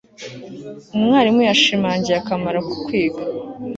umwarimu yashimangiye akamaro ko kwiga